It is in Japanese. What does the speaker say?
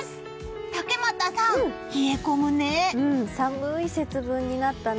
竹俣さん、冷え込むね。